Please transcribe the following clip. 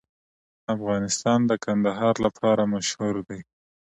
افغانستان د کندهار لپاره مشهور دی.